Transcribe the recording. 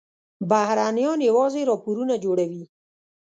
بهرنیان یوازې راپورونه جوړوي.